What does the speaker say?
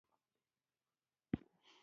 ما ورته وویل: هو ډاکټر دی، ډېر تکړه سړی دی.